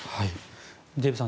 デーブさん